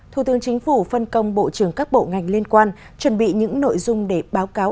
thủ tướng chính phủ phân công bộ trưởng các bộ ngành liên quan chuẩn bị những nội dung để báo cáo